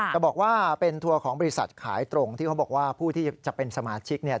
แต่บอกว่าเป็นทัวร์ของบริษัทขายตรงที่เขาบอกว่าผู้ที่จะเป็นสมาชิกเนี่ย